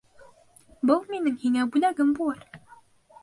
Был минең һиңә бүлләгем булыр.